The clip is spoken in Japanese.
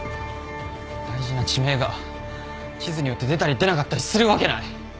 大事な地名が地図によって出たり出なかったりするわけない！